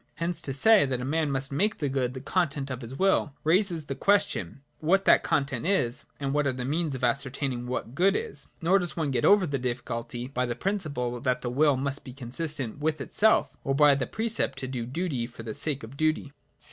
Hence to say, that a man must make the Good the content of his will, raises the question, what that content is, and what are the means of ascertaining what good is. Nor does one get over the difficulty by the principle that the 112 SECOND ATTITUDE TO OBJECTIVITY. [54,55. will must be consistent with itself, or by the precept to do duty for the sake of duty.